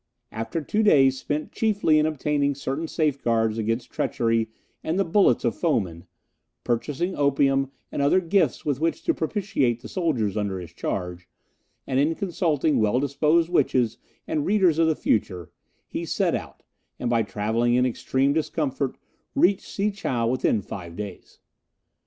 After two days spent chiefly in obtaining certain safeguards against treachery and the bullets of foemen, purchasing opium and other gifts with which to propitiate the soldiers under his charge, and in consulting well disposed witches and readers of the future, he set out, and by travelling in extreme discomfort, reached Si chow within five days.